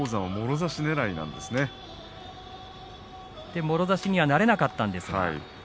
それでもろ差しにはなれなかったんです。